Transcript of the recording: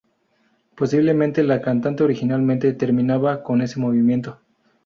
Posiblemente la cantata originalmente terminaba con ese movimiento.